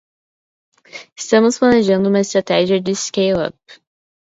Estamos planejando uma estratégia de scale-up.